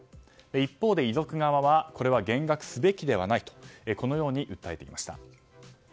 一方で遺族側はこれは減額すべきではないとこのように訴えていました。